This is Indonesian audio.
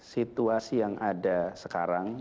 situasi yang ada sekarang